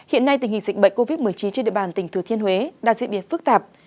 hiện nay tình hình dịch bệnh covid một mươi chín trên địa bàn tỉnh thừa thiên huế đang diễn biến phức tạp